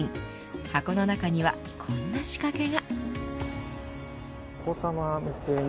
箱の中には、こんな仕掛けが。